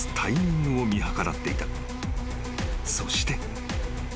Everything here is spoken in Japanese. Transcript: ［そして］